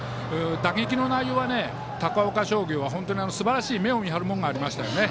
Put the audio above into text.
打撃の内容は高岡商業は本当にすばらしい目を見張るものがありました。